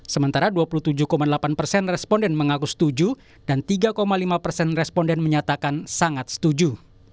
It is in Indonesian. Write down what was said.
sementara dua puluh tujuh delapan persen responden mengaku setuju dan tiga lima persen responden menyatakan sangat setuju